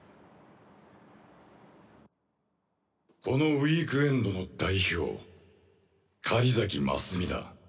このウィークエンドの代表狩崎真澄だ。